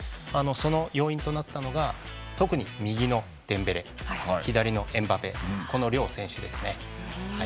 その要因となったのが特に右のデンベレ左のエムバペこの両選手ですね。